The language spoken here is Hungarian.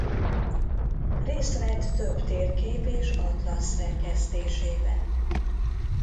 Részt vett több térkép és atlasz szerkesztésében.